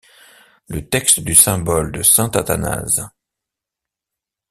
Le texte du Symbole de saint Athanase.